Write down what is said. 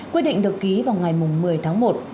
quyết định được ký vào ngày một mươi tháng một